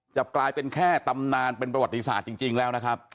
จะกลายเป็นแค่ตำนานเป็นประวัติศาสตร์จริงแล้วนะครับ